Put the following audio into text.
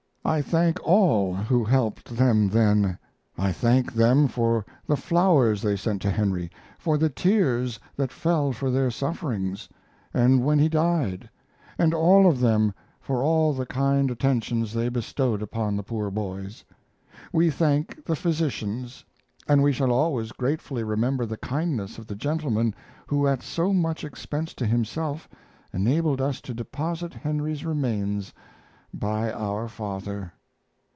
I thank all who helped them then; I thank them for the flowers they sent to Henry, for the tears that fell for their sufferings, and when he died, and all of them for all the kind attentions they bestowed upon the poor boys. We thank the physicians, and we shall always gratefully remember the kindness of the gentleman who at so much expense to himself enabled us to deposit Henry's remains by our father.